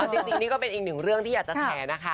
จริงนี่ก็เป็นอีกหนึ่งเรื่องที่อยากจะแชร์นะคะ